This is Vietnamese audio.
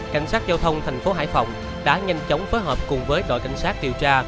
cảnh sát giao thông thành phố hải phòng đã nhanh chóng phối hợp cùng với đội cảnh sát điều tra